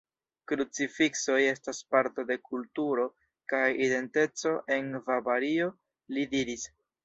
Krucifiksoj estas parto de kulturo kaj identeco en Bavario, li diris.